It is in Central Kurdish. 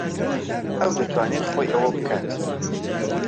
ئەو دەتوانێت خۆی ئەوە بکات.